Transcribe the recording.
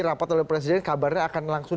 rapat oleh presiden kabarnya akan langsung